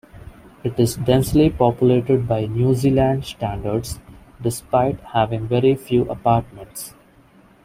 It is densely populated by New Zealand standards, despite having very few apartments.